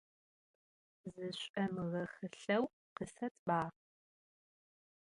Zış'omığehılheu, khısetba.